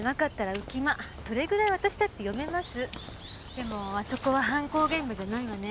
でもあそこは犯行現場じゃないわね。